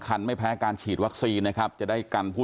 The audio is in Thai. ตอนนี้ทางกอทมกับสปสชก็เดินหน้าตรวจเชิงรุก